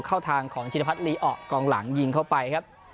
เข้าทางของชินพัฒนลีอะกองหลังยิงเข้าไปครับ